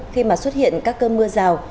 khi mà xuất hiện các cơn mưa rào